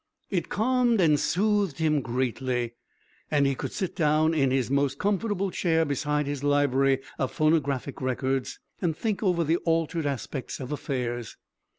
It calmed and soothed him greatly, and he could sit down in his most comfortable chair beside his library (of phonographic records), and think over the altered aspect of affairs.